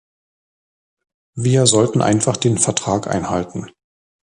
Wir sollten einfach den Vertrag einhalten.